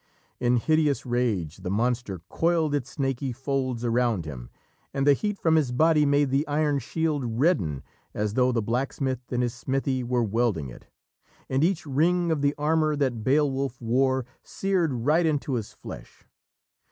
In hideous rage the monster coiled its snaky folds around him, and the heat from his body made the iron shield redden as though the blacksmith in his smithy were welding it, and each ring of the armour that Beowulf wore seared right into his flesh.